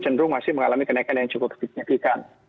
cenderung masih mengalami kenaikan yang cukup signifikan